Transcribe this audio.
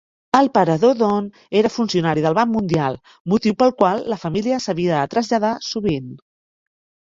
El pare d'Odone era funcionari del Banc Mundial, motiu pel qual la família s'havia de traslladar sovint.